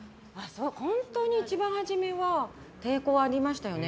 本当に、一番初めは抵抗ありましたよね。